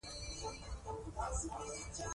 په حراره ولایت کې د پوځ مسوول منګیسټیو هایلي ماریم و.